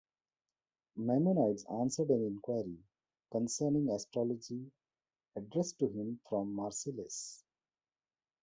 Maimonides answered an inquiry concerning astrology, addressed to him from Marseilles.